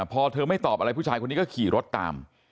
พอเธอไม่ตอบอะไรผู้ชายคนนี้ก็ขี่รถตาม